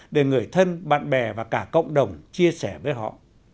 để người thân bạn bè và cả cộng đồng chia sẻ với họ